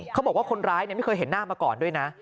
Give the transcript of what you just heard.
เขาบอกว่าคนร้ายไม่เคยเห็นหน้ามาก่อนด้วยนะ